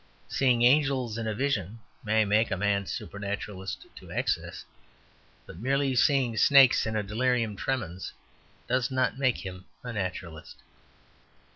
Seeing angels in a vision may make a man a supernaturalist to excess. But merely seeing snakes in delirium tremens does not make him a naturalist.